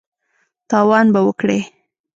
تاوان به وکړې !